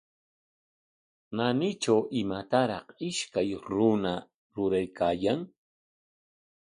Naanitraw imataraq ishkay runa ruraykaayan.